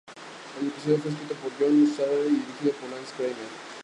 El episodio fue escrito por John Swartzwelder y dirigido por Lance Kramer.